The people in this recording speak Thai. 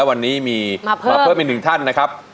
วันนี้มีมาเพิ่มอีกหนึ่งท่านนะครับ